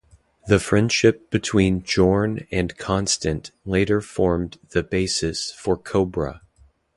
The friendship between Jorn and Constant later formed the basis for CoBrA.